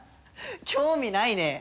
興味ないね。